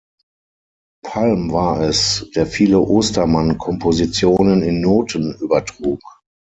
Palm war es, der viele Ostermann-Kompositionen in Noten übertrug.